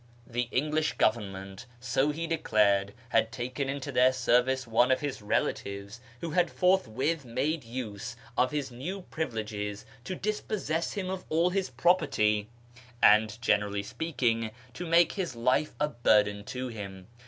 The English Government, so he declared, had taken into their service one of his relatives, who had forthwith made use of his new privileges to dispossess him of all his property, and, generally speaking, to make his life a burden to him.